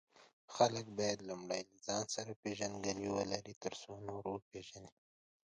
خلک باید لومړی له ځان سره پیژندګلوي ولري، ترڅو نور پیژني.